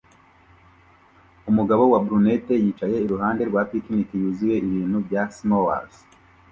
Umugabo wa brunette yicaye iruhande rwa picnic yuzuye ibintu bya smores